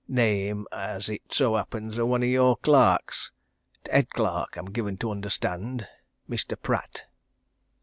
Name, as it so happens, o' one o' your clerks t' head clerk, I'm given to understand Mr. Pratt."